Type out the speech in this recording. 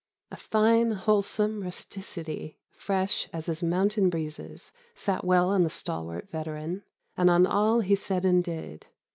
A fine wholesome rusticity, fresh as his mountain breezes, sat well on the stalwart veteran, and on all he said and did.